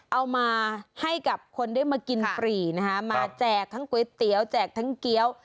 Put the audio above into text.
เอามาให้กับคนได้มากินปรีนะคะมาแจกทั้งก๋วยเตี๋ยวแจกทั้งเกี้ยว